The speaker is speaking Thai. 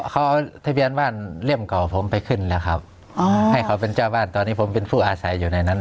เขาเอาทะเบียนบ้านเล่มเก่าผมไปขึ้นแล้วครับให้เขาเป็นเจ้าบ้านตอนนี้ผมเป็นผู้อาศัยอยู่ในนั้น